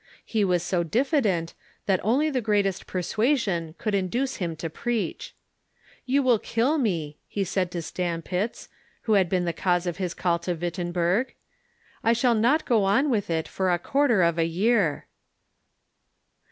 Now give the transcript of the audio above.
He was so diffi dent that only the greatest persuasion could induce him to preach. "You will kill me," he said to Staupitz, who had been the cause of his call to Wittenberg ; "I shall not go on with it for a quarter of a year."